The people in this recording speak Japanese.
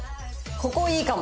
ここいいかも！